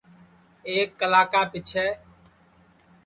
ایک کلا کا پیچھیں